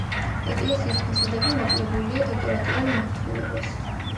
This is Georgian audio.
ეკლესიის ფასადები მოკლებულია დეკორატიულ მორთულობას.